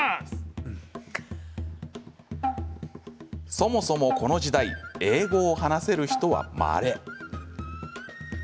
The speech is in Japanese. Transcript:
そもそも、この時代英語を話せる人は、まれ。